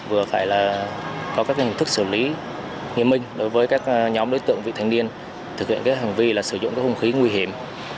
vừa phải là có các hình thức xử lý nghiêm minh đối với các nhóm đối tượng vị thanh niên thực hiện các hành vi là sử dụng các hung khí nguy hiểm